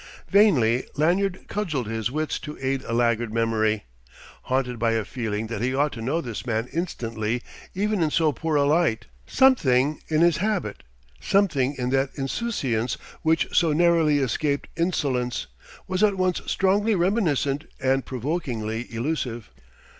Vainly Lanyard cudgelled his wits to aid a laggard memory, haunted by a feeling that he ought to know this man instantly, even in so poor a light. Something in his habit, something in that insouciance which so narrowly escaped insolence, was at once strongly reminiscent and provokingly elusive....